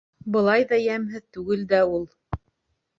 Былай ҙа йәмһеҙ түгел дә ул.